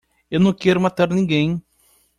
Eu não quero matar ninguém.